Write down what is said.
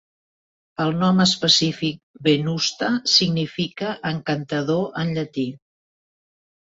El nom específic "venusta" significa "encantador" en llatí.